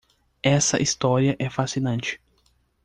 Essa história é fascinante.